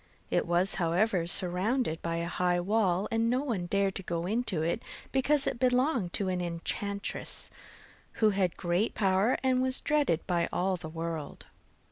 It was, however, surrounded by a high wall, and no one dared to go into it because it belonged to an enchantress, who had great power and was dreaded by all the world.